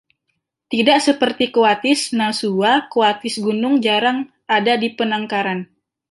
Tidak seperti coatis "Nasua" coatis gunung jarang ada di penangkaran.